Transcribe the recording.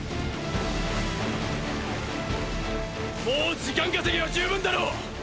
もう時間稼ぎは十分だろう